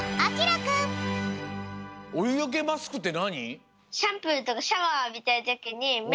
おゆよけマスクってなに？